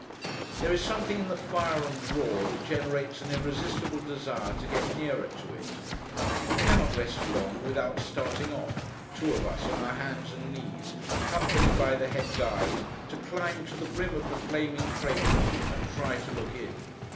There is something in the fire and roar, that generates an irresistible desire to get nearer to it. We cannot rest long, without starting off, two of us, on our hands and knees, accompanied by the head guide, to climb to the brim of the flaming crater, and try to look in.